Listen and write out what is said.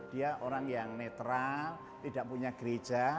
dia orang yang netral tidak punya gereja